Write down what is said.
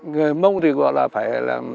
người mông thì gọi là phải